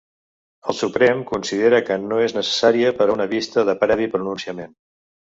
El Suprem considera que no és necessària per a una vista de previ pronunciament.